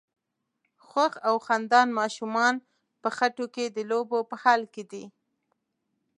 خوښ او خندان ماشومان په خټو کې د لوبو په حال کې دي.